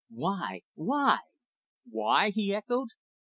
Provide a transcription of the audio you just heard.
Why, why " "Why!" he echoed.